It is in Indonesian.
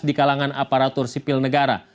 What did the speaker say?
di kalangan aparatur sipil negara